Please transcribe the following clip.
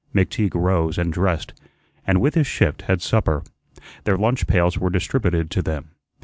McTeague rose and dressed, and with his shift had supper. Their lunch pails were distributed to them.